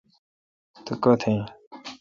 تو کتہ این؟